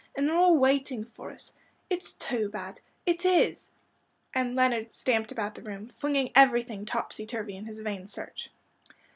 And they're all waiting for us. It's too bad it is," and Leonard stamped about the room, flinging everything topsy turvy in his vain search.